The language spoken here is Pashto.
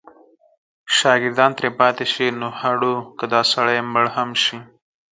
شاګردان ترې پاتې شي نو هډو که دا سړی مړ هم شي.